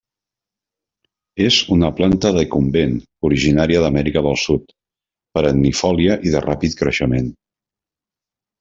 És una planta decumbent originària d'Amèrica del Sud, perennifòlia i de ràpid creixement.